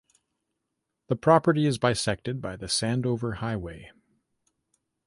The property is bisected by the Sandover Highway.